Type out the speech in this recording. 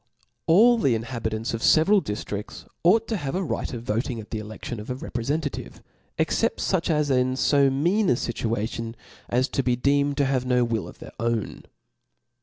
All the inhabitants of the ieveral diftrids ought to have a right of voting at the eledtion of a re* prefentativej except foch as are in fo mean a fitua tion, as to be deemed to have no will of their own.